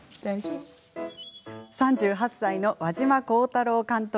３８歳の和島香太郎監督。